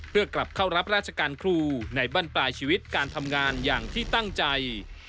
เพื่อกลับเข้ารับราชการครูในบ้านปลายชีวิตการทำงานอย่างที่ตั้งใจ